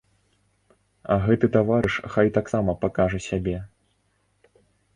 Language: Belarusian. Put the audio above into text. А гэты таварыш хай таксама пакажа сябе.